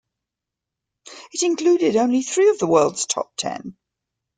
It included only three of the world's top ten.